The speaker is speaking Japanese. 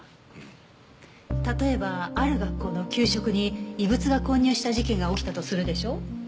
例えばある学校の給食に異物が混入した事件が起きたとするでしょ。